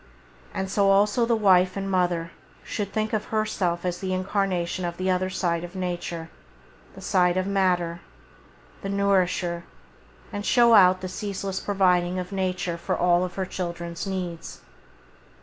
And so also the wife and mother should think of herself as the incarnation of the other side of Nature, the side of matter, the [Page 16] nourisher, and show out the ceaseless providing of Nature for all her children's needs.